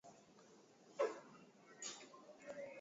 Mineshana nabo nju ya ile mambo ya nkuni